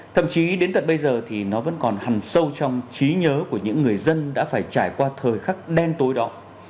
thậm chí đến tận bây giờ thì nó vẫn còn hẳn sâu trong trí nhớ của những người dân đã phải trải qua thời khắc đen tối đó